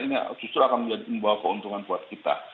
ini justru akan membawa keuntungan buat kita